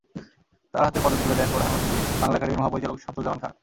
তাঁর হাতে পদক তুলে দেন প্রধান অতিথি বাংলা একাডেমির মহাপরিচালক শামসুজ্জামান খান।